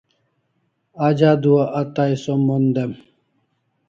Aj adua a tai som mon dem